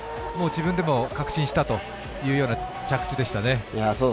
自分でも確信したというような着地でしたね。